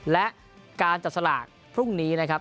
และการจัดสลากพรุ่งนี้นะครับ